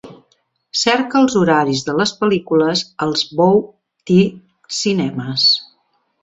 Cerca els horaris de les pel·lícules als Bow Tie Cinemas.